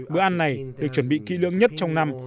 bữa ăn này được chuẩn bị kỹ lưỡng nhất trong năm